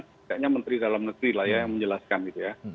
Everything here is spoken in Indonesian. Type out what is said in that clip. tidaknya menteri dalam negeri lah ya yang menjelaskan gitu ya